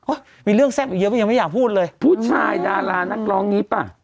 มีเรื่องแซ่บอีกเยอะมันยังไม่อยากพูดเลยผู้ชายดารานักร้องนี้ป่ะ